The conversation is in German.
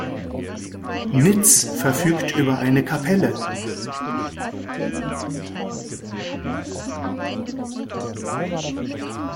Nitz verfügt über eine Kapelle.